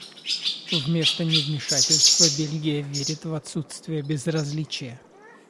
Вместо невмешательства Бельгия верит в отсутствие безразличия.